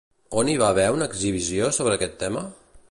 On hi va haver una exhibició sobre aquest tema?